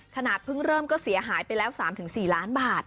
ขนาดเพิ่งเริ่มก็เสียหายไปแล้ว๓๔ล้านบาท